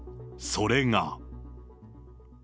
それが。